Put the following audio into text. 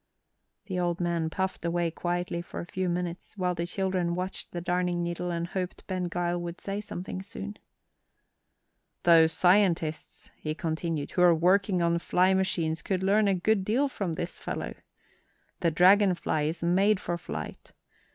The old man puffed away quietly for a few minutes, while the children watched the darning needle and hoped Ben Gile would say something soon. "Those scientists," he continued, "who are working on flying machines could learn a good deal from this fellow. The dragon fly is made for flight.